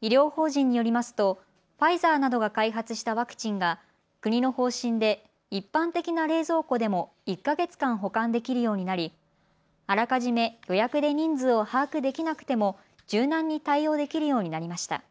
医療法人によりますとファイザーなどが開発したワクチンが国の方針で一般的な冷蔵庫でも１か月間保管できるようになりあらかじめ予約で人数を把握できなくても柔軟に対応できるようになりました。